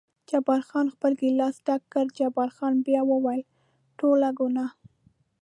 جبار خان خپل ګیلاس ډک کړ، جبار خان بیا وویل: ټوله ګناه.